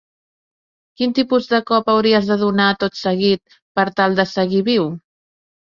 Quin tipus de cop hauries de donar tot seguit per tal de seguir viu?